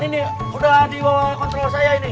ini udah di bawah kontrol saya ini